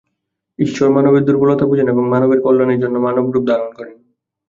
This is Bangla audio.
ঈশ্বর মানবের দুর্বলতা বুঝেন এবং মানবের কল্যাণের জন্য মানবরূপ ধারণ করেন।